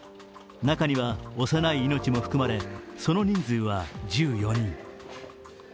中には幼い命も含まれその人数は１４人。